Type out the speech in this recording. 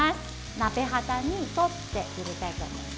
鍋肌に沿って入れたいと思います。